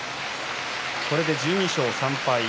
これで１２勝３敗。